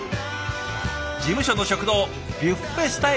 事務所の食堂ビュッフェスタイルなんですね！